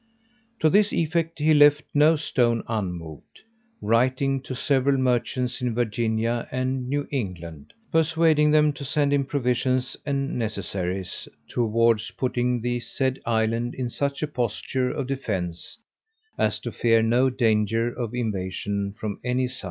To this effect he left no stone unmoved, writing to several merchants in Virginia and New England, persuading them to send him provisions and necessaries, towards putting the said island in such a posture of defence, as to fear no danger of invasion from any side.